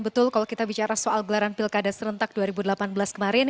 betul kalau kita bicara soal gelaran pilkada serentak dua ribu delapan belas kemarin